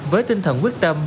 với tinh thần quyết tâm